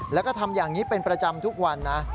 แล้วก็ทำอย่างนี้เป็นประจำทุกวันนะ